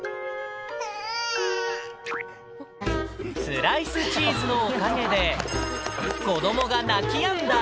スライスチーズのおかげで、子どもが泣きやんだ。